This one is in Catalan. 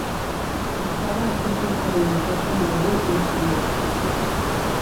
Es troba al curs inferior del Zambezi a Moçambic.